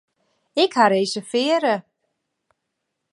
Ik ha reservearre.